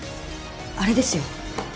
あれですよ。